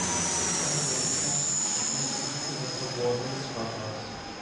Casper bringt Kat schließlich in das Labor seines Vaters.